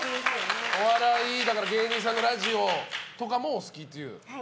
お笑い芸人さんのラジオとかもお好きっていう。